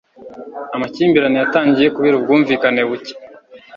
Amakimbirane yatangiye kubera ubwumvikane buke